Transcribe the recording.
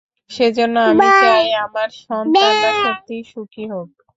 সেজন্য আমি চাই আমার সন্তানরা সত্যিই সুখী হোক।